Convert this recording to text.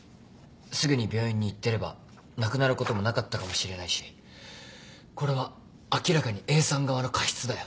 すぐに病院に行ってれば亡くなることもなかったかもしれないしこれは明らかにＡさん側の過失だよ。